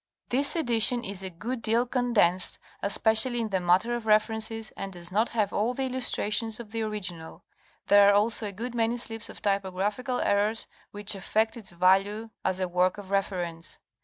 This edition is a good deai condensed, especially in the matter of references, and does not have all the illustrations of the original. There are also a good many slips or typographical errors, which affect its value as a work of reference.